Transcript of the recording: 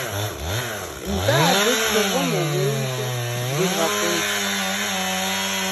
НтӀэ абы щыгъуэм ууеймкӀэ зридгъэкъунщ.